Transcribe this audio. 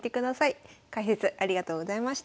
解説ありがとうございました。